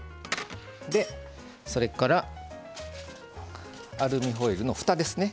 それからアルミホイルのふたですね。